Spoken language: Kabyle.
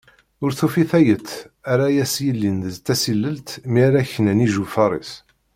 Ur tufi tayet ara as-yellin d tasylelt mi aka knan ijufar-is.